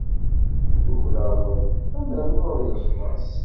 Tuklaleḍ ad m-rnun deg lexlaṣ.